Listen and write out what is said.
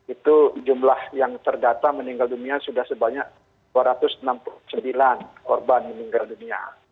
itu jumlah yang terdata meninggal dunia sudah sebanyak dua ratus enam puluh sembilan korban meninggal dunia